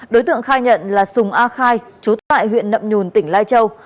đối tượng khai nhận là sùng a khai trú tại huyện nậm nhùn tỉnh lai châu